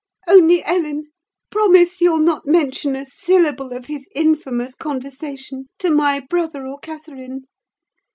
Only, Ellen, promise you'll not mention a syllable of his infamous conversation to my brother or Catherine.